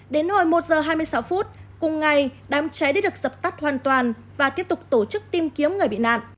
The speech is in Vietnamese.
đến hồi một h hai mươi sáu phút cùng ngày đám cháy đã được dập tắt hoàn toàn và tiếp tục tổ chức tìm kiếm người bị nạn